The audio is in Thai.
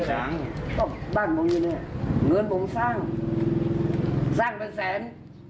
จังไปแสน